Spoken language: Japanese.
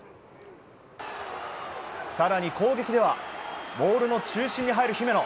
更に、攻撃ではモールの中心に入る姫野。